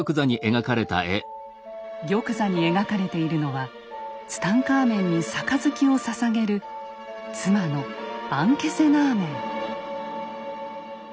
玉座に描かれているのはツタンカーメンに杯をささげる妻のアンケセナーメン。